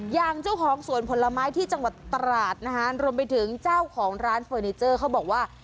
อย่างเจ้าของสวนผลไม้ที่จังหวัดตราดนะคะรวมไปถึงเจ้าของร้านเฟอร์นิเจอร์เขาบอกว่า